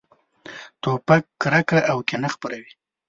توپک کرکه او کینه خپروي.